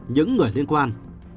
những người liên quan